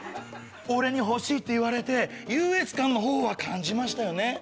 俺に欲しいって言われて優越感のほうは感じましたよね？